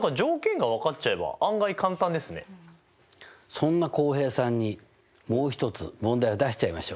そんな浩平さんにもう一つ問題を出しちゃいましょう。